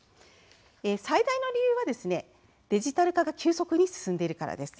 最大の理由はデジタル化が急速に進んでいるからです。